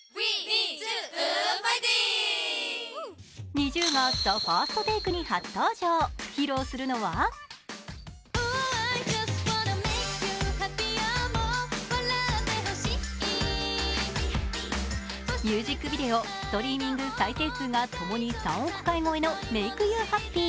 ＮｉｚｉＵが「ＴＨＥＦＩＲＳＴＴＡＫＥ」に初登場、披露するのはミュージックビデオ、ストリーミング再生数がともに３億回超えの「Ｍａｋｅｙｏｕｈａｐｐｙ」。